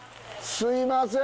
すみません。